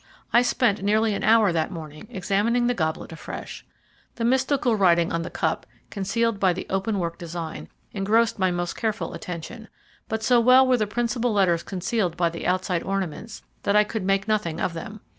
I spent nearly an hour that morning examining the goblet afresh. The mystical writing on the cup, concealed by the open work design, engrossed my most careful attention, but so well were the principal letters concealed by the outside ornaments, that I could make nothing of them.